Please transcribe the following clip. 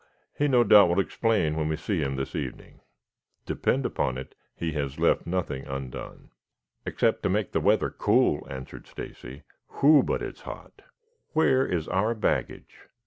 He no doubt will explain when we see him this evening. Depend upon it, he has left nothing undone." "Except to make the weather cool," answered Stacy. "Whew, but it's hot. Where is our baggage?